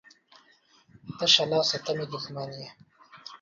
تشه لاسه ته مې دښمن یې